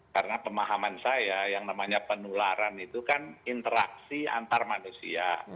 karena pemahaman saya yang namanya penularan itu kan interaksi antar manusia